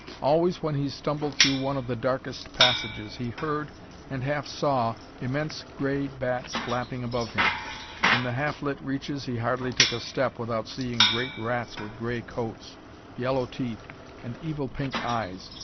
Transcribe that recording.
Always when he stumbled through one of the darkest passages, he heard and half saw immense gray bats flapping above him. In the half lit reaches, he hardly took a step without seeing great rats with gray coats, yellow teeth, and evil pink eyes.